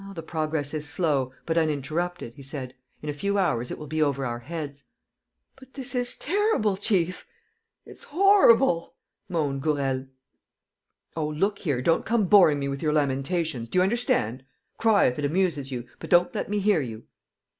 "The progress is slow, but uninterrupted," he said "In a few hours it will be over our heads." "But this is terrible, chief, it's horrible!" moaned Gourel. "Oh, look here, don't come boring me with your lamentations, do you understand? Cry, if it amuses you, but don't let me hear you!"